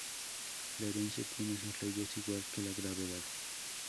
La herencia tiene sus leyes, igual que la gravedad".